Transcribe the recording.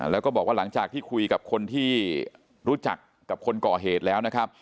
แล้วก็บอกว่าหลังจากที่คุยกับคนที่รู้จักกับคนก่อเหตุแล้วนะครับ